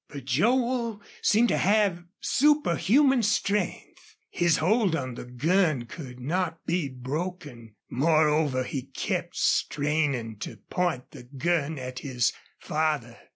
But Joel seemed to have superhuman strength. His hold on the gun could not be broken. Moreover, he kept straining to point the gun at his father.